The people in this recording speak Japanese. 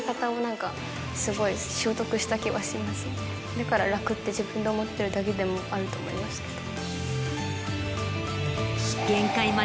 だから楽って自分で思ってるだけでもあると思いますけど。